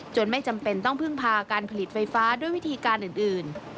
ไม่จำเป็นต้องพึ่งพาการผลิตไฟฟ้าด้วยวิธีการอื่น